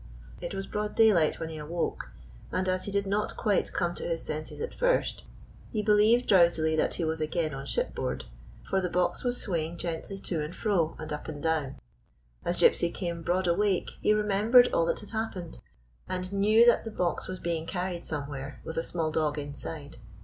It was broad daylight when he awoke ; and, as he did not quite come to his senses at first, be believed drowsily that he was again on ship board; for the box was swaying gently to and fro and up and down. As Gypsy came broad awake he remembered all that had happened, and knew that the box was being carried some where, with a small dog inside.